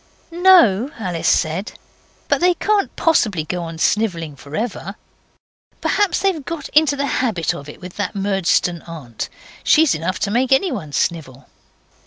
'No,' Alice said, 'but they can't possibly go on snivelling for ever. Perhaps they've got into the habit of it with that Murdstone aunt. She's enough to make anyone snivel.